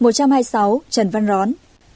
một trăm hai mươi sáu trần văn rón